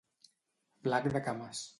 Flac de cames.